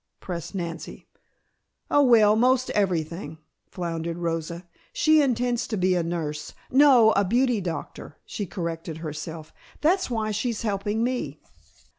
pressed Nancy. "Oh, well, 'most everything," floundered Rosa. "She intends to be a nurse, no, a beauty doctor," she corrected herself. "That's why she's helping me."